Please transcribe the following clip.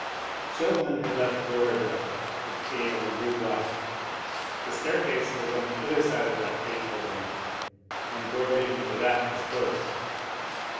Chauvelin had left the door ajar which gave on the boudoir. The staircase was on the other side of that fateful room, and the door leading to that was closed.